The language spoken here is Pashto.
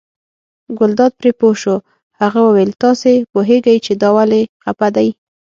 ګلداد پرې پوه شو، هغه وویل تاسې پوهېږئ چې دا ولې خپه دی.